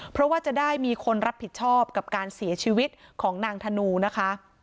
เพราะว่าจะได้มีคนรับผิดชอบกับการเสียชีวิตของนางธนูนะคะ